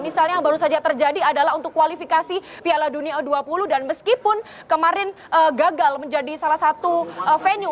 misalnya yang baru saja terjadi adalah untuk kualifikasi piala dunia u dua puluh dan meskipun kemarin gagal menjadi salah satu venue